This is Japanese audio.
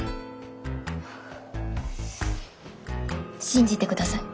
信じてください。